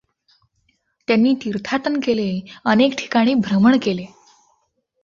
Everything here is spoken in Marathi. त्यांनी तीर्थाटन केले, अनेक ठिकाणी भ्रमण केले.